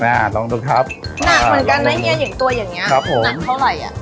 ลองดูครับหนักเหมือนกันนะเฮียอย่างตัวอย่างเงี้ครับผมหนักเท่าไหร่อ่ะ